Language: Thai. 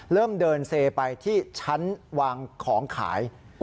เริ่มเดินเซไปที่ชั้นวางของขาย